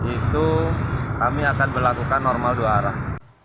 itu kami akan berlakukan normal dua arah